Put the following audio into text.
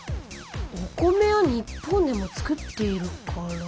お米は日本でも作っているから。